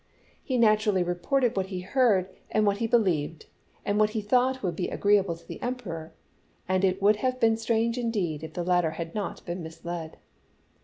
He naturally reported what he heard, and what he believed, and what he thought would be agreeable to the Emperor, and it would have been strange indeed if the latter had not been misled.